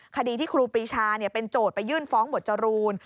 คดีที่ครูปรีชาเป็นโจทย์ไปยื่นฟ้องหมวดจรูน